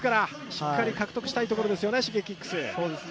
しっかり獲得したいところですよね、Ｓｈｉｇｅｋｉｘ。